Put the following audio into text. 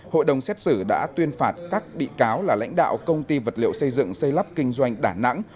hội đồng xét xử đã tuyên phạt các bị cáo là lãnh đạo công ty vật liệu xây dựng xây lắp kinh doanh đà nẵng